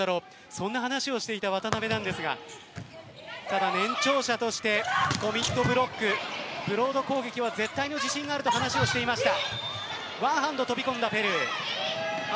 そんな話をしていた渡邊なんですがただ、年長者としてコミットブロックブロード攻撃は絶対の自信があると話していました。